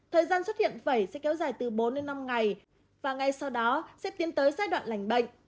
thời gian xuất hiện vẩy sẽ kéo dài từ bốn đến năm ngày và ngay sau đó sẽ tiến tới giai đoạn lành bệnh